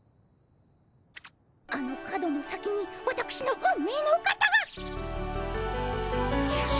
あの角の先にわたくしの運命のお方が。